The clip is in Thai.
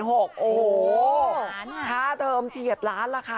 โอ้โหข้าเทอมทีหัดร้านละค่ะ